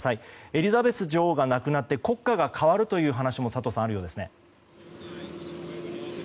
エリザベス女王が亡くなって国歌が変わるという話も佐藤さん、あるようですね。